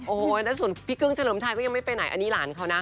โอ้โหแล้วส่วนพี่กึ้งเฉลิมชัยก็ยังไม่ไปไหนอันนี้หลานเขานะ